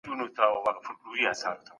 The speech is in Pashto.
دغه کوچنی چي تاسي وینئ ډېر آرام دی.